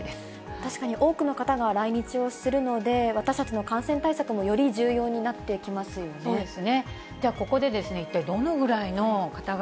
確かに多くの方が来日をするので、私たちの感染対策もより重要になってきますよね。